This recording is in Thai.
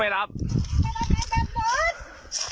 แวงลำดวงนี้ใช่ไหม